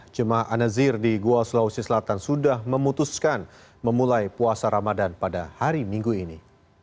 jemaah an nazir di goa sulawesi selatan sudah memutuskan memulai puasa ramadan pada hari minggu ini